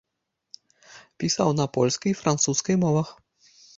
Пісаў на польскай і французскай мовах.